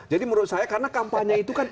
jadi menurut saya karena kampanye itu kan